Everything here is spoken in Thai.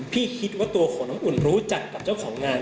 คิดว่าตัวของน้ำอุ่นรู้จักกับเจ้าของงาน